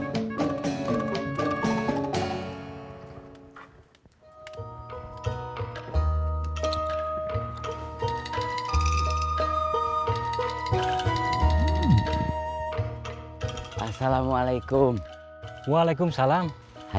biasa urusan anak muda